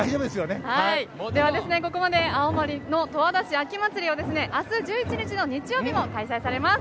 ここまで青森の十和田市秋まつり明日１１日の日曜日も開催されます。